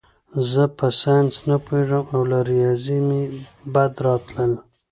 زه په ساینس نه پوهېږم او له ریاضي مې بد راتلل